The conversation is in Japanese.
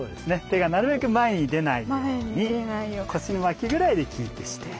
手がなるべく前に出ないように腰の脇ぐらいでキープして。